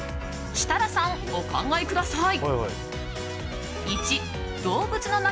設楽さん、お考えください。